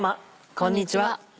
こんにちは。